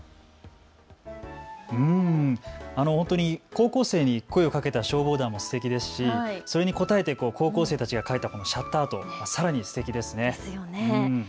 本当に高校生に声をかけた消防団もすてきですしそれに応えている高校生たちが描いたシャッターアートさらにすてきですよね。